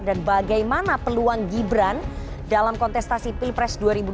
dan bagaimana peluang gibran dalam kontestasi pilpres dua ribu dua puluh empat